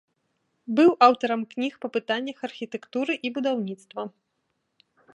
Быў аўтарам кніг па пытаннях архітэктуры і будаўніцтва.